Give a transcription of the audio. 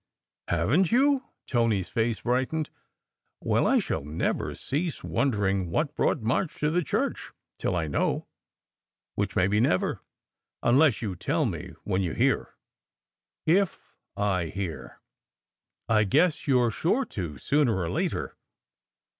"Haven t you? " Tony s face brightened. "Well, I shall never cease wondering what brought March to the church, till I know which may be never. Unless you tell me when you hear." "7/1 hear!" " I guess you re sure to sooner or later.